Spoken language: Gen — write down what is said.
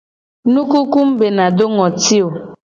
Nukuku mu bena do ngoti o.